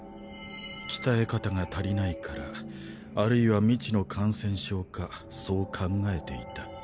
「鍛え方が足りないから」或いは未知の感染症かそう考えていた。